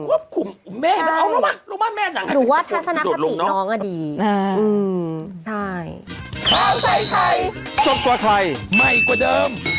ควบคุมแม่น้องเอาละมาละมาแม่น้อง